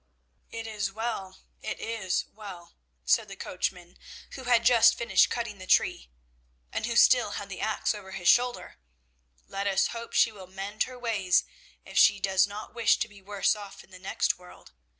"'It is well, it is well,' said the coachman, who had just finished cutting the tree, and who still had the axe over his shoulder. 'Let us hope she will mend her ways, if she does not wish to be worse off in the next world.